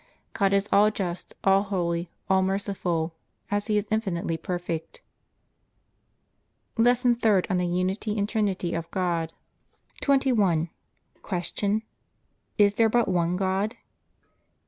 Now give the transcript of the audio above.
God is all just, all holy, all merciful, as He is infinitely perfect. LESSON THIRD ON THE UNITY AND TRINITY OF GOD 21. Q. Is there but one God?